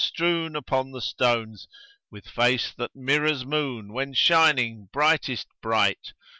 strewn upon the stones, * With face that mirrors moon when shining brightest bright!